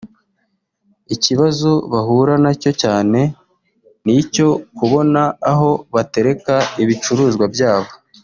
Ikibazo bahura nacyo cyane ni icyo kubona aho batereka ibicuruzwa byabo